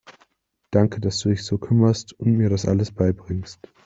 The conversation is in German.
Danke, dass du dich so kümmerst und mir das alles beibringst.